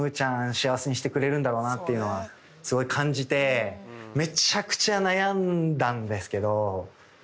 幸せにしてくれるんだろうなっていうのはすごい感じてめちゃくちゃ悩んだんですけど。